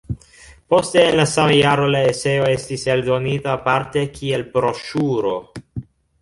Poste en la sama jaro la eseo estis eldonita aparte kiel broŝuro.